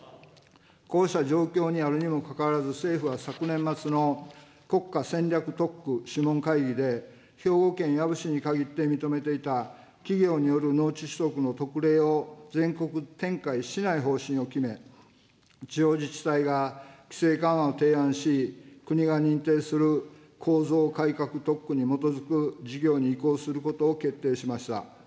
こうした状況にあるにもかかわらず、政府は昨年末の国家戦略特区諮問会議で、兵庫県養父市に限って認めていた、企業による農地取得の特例を全国展開しない方針を決め、地方自治体が規制緩和を提案し、国が認定する構造改革特区に基づく事業に移行することを決定しました。